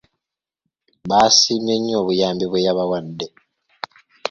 Baasiimye nnyo obuyambi bwe yabawadde.